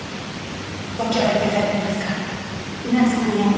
ご協力頂けますか？